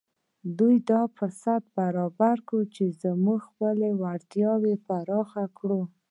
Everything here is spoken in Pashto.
دوی دا فرصت برابر کړی چې موږ خپلې وړتیاوې پراخې کړو